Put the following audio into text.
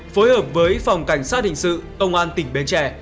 phối hợp với phòng cảnh sát hình sự công an tỉnh bến tre